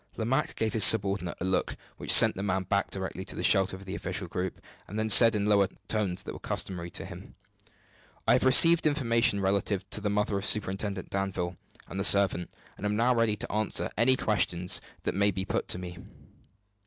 Lomaque gave his subordinate a look which sent the man back directly to the shelter of the official group; then said, in lower tones than were customary with him: "I have received information relative to the mother of Superintendent Danville and the servant, and am ready to answer any questions that may be put to me."